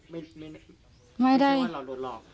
ไม่ได้ว่าเราโดนหลอก